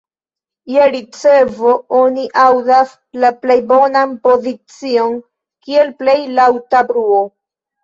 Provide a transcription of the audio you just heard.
Je ricevo oni aŭdas la plej bonan pozicion kiel plej laŭta bruo.